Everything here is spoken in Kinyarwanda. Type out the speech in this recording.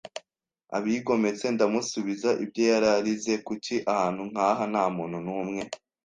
abigometse. ”Ndamusubiza. “Ibyo!” yararize. “Kuki, ahantu nkaha, nta muntu n'umwe